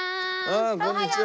ああこんにちは。